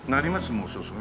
もうそろそろ。